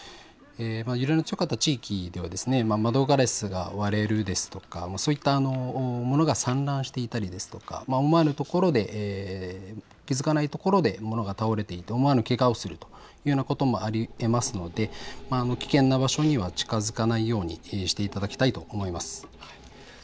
揺れの強かった地域では窓ガラスが割れるですとか、そういった、物が散乱していたりですとか思わぬところで、気付かないところで物が倒れていて思わぬけがをするようなこともありえますので危険な場所には近づかないようにしていただきたいと思います。